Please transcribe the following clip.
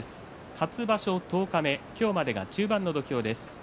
初場所十日目今日までが中盤の土俵です。